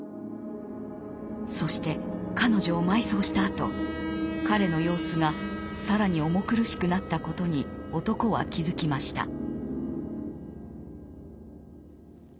そして彼女を埋葬したあと彼の様子が更に重苦しくなったことに男は気付きました。